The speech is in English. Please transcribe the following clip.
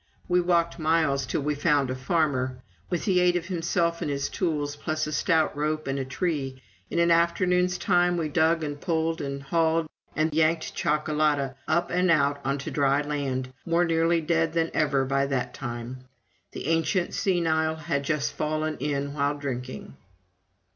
We walked miles till we found a farmer. With the aid of himself and his tools, plus a stout rope and a tree, in an afternoon's time we dug and pulled and hauled and yanked Chocolada up and out onto dry land, more nearly dead than ever by that time. The ancient senile had just fallen in while drinking.